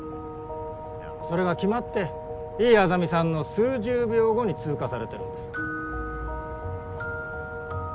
いやそれが決まって維井莇さんの数十秒後に通過されてるんです。